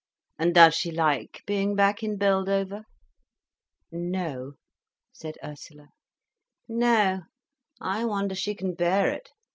"And does she like being back in Beldover?" "No," said Ursula. "No, I wonder she can bear it.